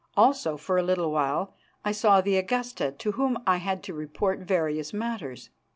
Also, for a little while, I saw the Augusta, to whom I had to report various matters.